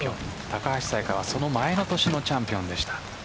高橋彩華はその前の年のチャンピオンでした。